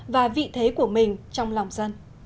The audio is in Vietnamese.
và vị thế của mình trong lòng dân